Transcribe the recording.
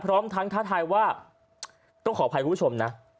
พร้อมทั้งท้าทายว่าต้องขออภัยคุณผู้ชมนะ